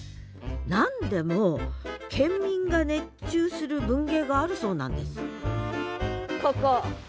何でも県民が熱中する文芸があるそうなんですここ。